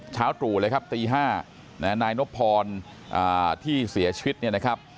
เช้าตรู่เลยครับตีห้าน่ะนายนพรอ่าที่เสียชีวิตนี่นะครับ